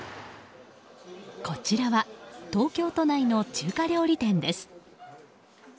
こちらは東京都内の中華料理店です。